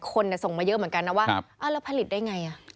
ส่งมาเยอะเหมือนกันนะว่าแล้วผลิตได้ไง